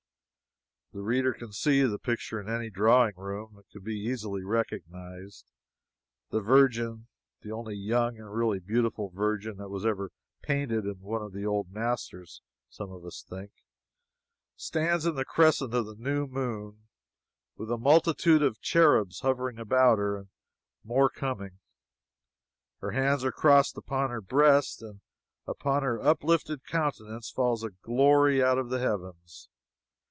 The reader can see the picture in any drawing room; it can be easily recognized: the Virgin (the only young and really beautiful Virgin that was ever painted by one of the old masters, some of us think,) stands in the crescent of the new moon, with a multitude of cherubs hovering about her, and more coming; her hands are crossed upon her breast, and upon her uplifted countenance falls a glory out of the heavens.